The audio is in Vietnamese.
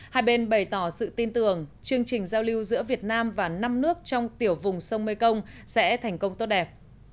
hai bên bày tỏ sự tin tưởng chương trình giao lưu giữa việt nam và năm nước trong tiểu vùng sông mekong sẽ thành công tốt đẹp